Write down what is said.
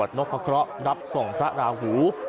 สวดพระนบครอบฆส่งพระราหู